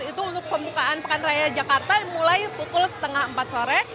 itu untuk pembukaan pekan raya jakarta mulai pukul setengah empat sore